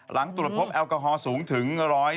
หลังตรวจพบแอลกอฮอล์สูงถึง๑๔๑นะครับ